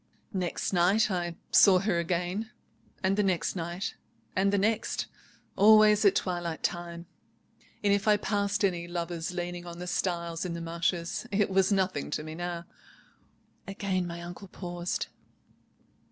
"Next night I saw her again; and the next night and the next. Always at twilight time; and if I passed any lovers leaning on the stiles in the marshes it was nothing to me now." Again my uncle paused.